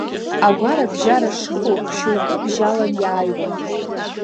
Агәарабжьара шыҟоу шьоукы бжьалан иааиуан.